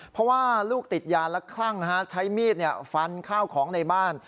เพราะว่าลูกติดยาและคลั่งใช้มีดฟันข้าวของในบ้าน